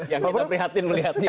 yang kita prihatin melihatnya